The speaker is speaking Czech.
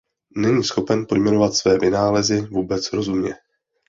Není schopen pojmenovat své vynálezy vůbec rozumně.